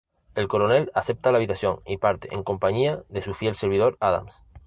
El coronel acepta la habitación y parte en compañía de su fiel servidor Adams.